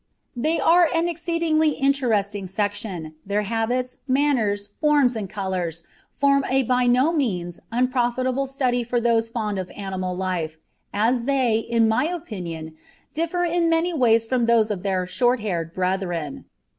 They are an exceedingly interesting section; their habits, manners, forms, and colours form a by no means unprofitable study for those fond of animal life, as they, in my opinion, differ in many ways from those of their "short haired" brethren.